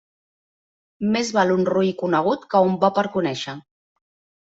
Més val un roí conegut que un bo per conèixer.